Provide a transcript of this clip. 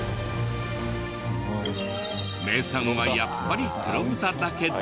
名産はやっぱり黒豚だけど。